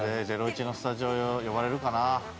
『ゼロイチ』のスタジオ呼ばれるかな？